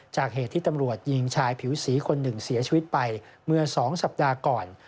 เหตุที่ตำรวจยิงชายผิวสีคนหนึ่งเสียชีวิตไปเมื่อ๒สัปดาห์ก่อน